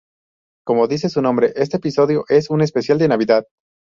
Como dice su nombre, este episodio es un especial de Navidad.